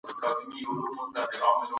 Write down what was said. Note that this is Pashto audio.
اقتصادي وده پرته له پرمختيا ممکنه ده.